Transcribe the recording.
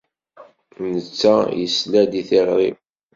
Netta isla-d i tiɣri-w.